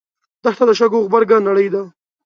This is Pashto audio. دښته د شګو غبرګه نړۍ ده.